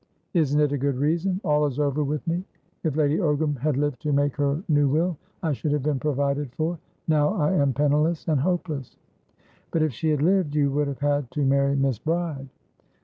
"Isn't it a good reason? All is over with me. If Lady Ogram had lived to make her new will, I should have been provided for. Now I am penniless and hopeless." "But, if she had lived, you would have had to marry Miss Bride."